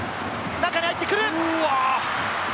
中に入ってくる！